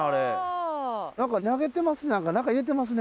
何か入れてますね。